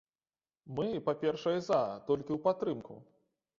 Мы, па-першае, за, толькі ў падтрымку.